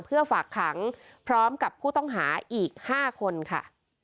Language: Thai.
เพื่อฝากขังพร้อมกับผู้ต้องหาอีก๕คนค่ะ